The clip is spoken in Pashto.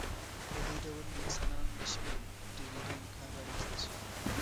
په دې ډول د انسانانو د شمېر ډېرېدو امکان رامنځته شو.